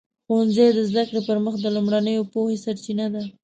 ښوونځی د زده کړې پر مخ د لومړنیو پوهې سرچینه ده.